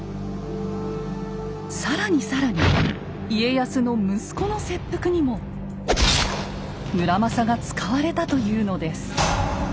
更に更に家康の息子の切腹にも村正が使われたというのです。